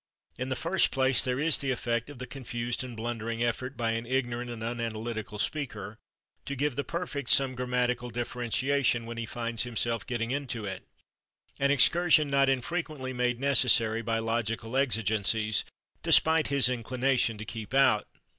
In the first place, there is the effect of the confused and blundering effort, by an ignorant and unanalytical speaker, to give the perfect some grammatical differentiation when he finds himself getting into it an excursion not infrequently made necessary by logical exigencies, despite his inclination to keep out.